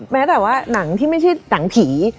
แม้แต่ว่าหนังที่ไม่ใช่หนังผี